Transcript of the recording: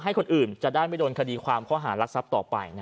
คนอื่นจะได้ไม่โดนคดีความข้อหารักทรัพย์ต่อไป